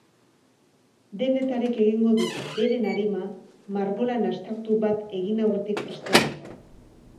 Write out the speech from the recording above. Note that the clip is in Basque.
Denetarik egingo dute beren arima margolan abstraktu bat egin aurretik prestatzeko.